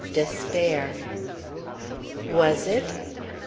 DESPAIR. Was it?